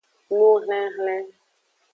Nuhlinhlin.